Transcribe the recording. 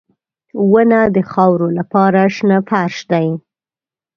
• ونه د خاورو لپاره شنه فرش دی.